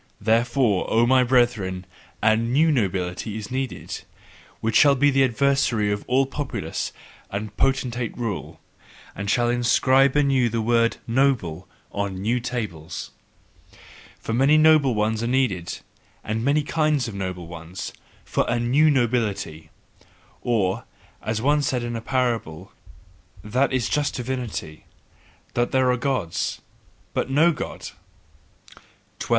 Therefore, O my brethren, a NEW NOBILITY is needed, which shall be the adversary of all populace and potentate rule, and shall inscribe anew the word "noble" on new tables. For many noble ones are needed, and many kinds of noble ones, FOR A NEW NOBILITY! Or, as I once said in parable: "That is just divinity, that there are Gods, but no God!" 12.